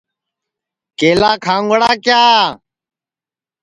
کیلا کھاؤنگڑا کِیا